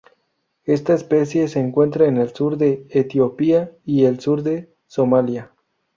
Esta especie se encuentra en el sur de Etiopía y el sur de Somalia.